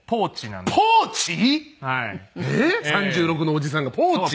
３６のおじさんがポーチ？